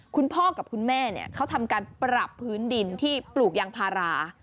คุณพ่อกับคุณแม่เขาทำการปรับพื้นดินที่ปลูกยางพารา